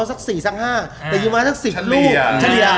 สัก๔๕แต่ยิงมาสัก๑๐ลูก